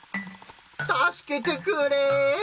助けてくれ！